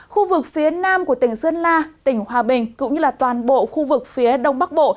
khu vực phía nam của tỉnh sơn la tỉnh hòa bình cũng như toàn bộ khu vực phía đông bắc bộ